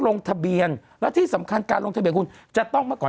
ลงทะเบียนแล้วที่สำคัญการลงทะเบียนคุณจะต้องเมื่อก่อน